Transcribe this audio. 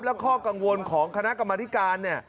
และข้อกังวลของคณะกรรมธิการเนี่ย